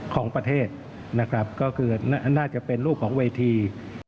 ของประเทศนะครับก็คือน่าจะเป็นรูปของเวที